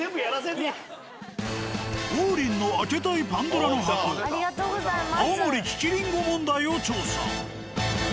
王林の開けたいパンドラの箱青森利きりんご問題を調査。